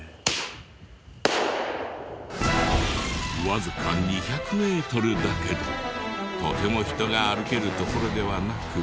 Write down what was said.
わずか２００メートルだけどとても人が歩ける所ではなく。